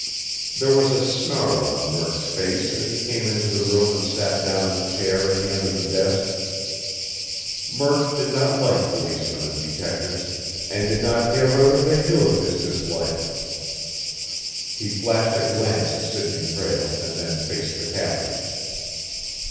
There was a snarl on Murk's face as he came into the room and sat down in the chair at the end of the desk. Murk did not like policemen and detectives, and did not care whether they knew of his dislike. He flashed a glance at Sidney Prale and then faced the captain.